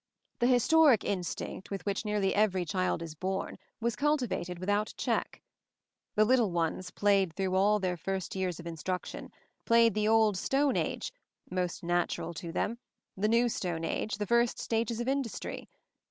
The historic instinct with which nearly every child is born was cultivated without check. The little ones played through all their first years of in struction, played the old stone age (most natural to them!) the new stone age, the first stages of industry.